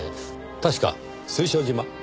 確か水晶島。